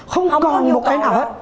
không còn một cái nào hết